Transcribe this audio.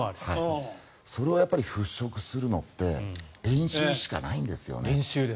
それを払しょくするのって練習しかないんですよね。